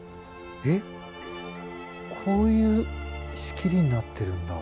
えっこういう仕切りになってるんだ。